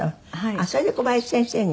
あっそれで小林先生に。